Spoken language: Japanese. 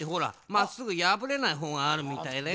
まっすぐやぶれないほうがあるみたいだよ。